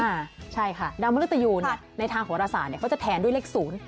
อ่าใช่ค่ะดาวมริตยูเนี่ยในทางโหรศาสตร์เนี่ยเขาจะแทนด้วยเลขศูนย์